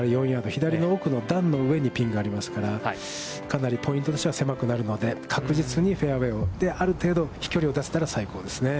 左の奥の段の上にピンがありますから、かなりポイントとしては狭くなるので、確実にフェアウェイを打って、ある程度飛距離を出せたら最高ですね。